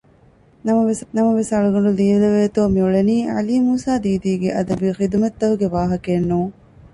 ނަމަވެސް އަޅުގަނޑު ލިޔެލެވޭތޯ މިއުޅެނީ ޢަލީ މޫސާދީދީގެ އަދަބީ ޚިދުމަތްތަކުގެ ވާހަކައެއް ނޫން